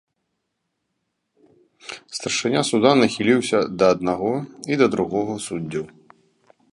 Старшыня суда нахіліўся да аднаго і да другога суддзяў.